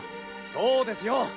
そうですよ！